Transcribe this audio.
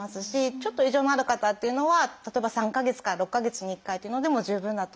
ちょっと異常のある方っていうのは例えば３か月から６か月に１回っていうのでも十分だと思いますね。